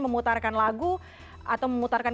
memutarkan lagu atau memutarkan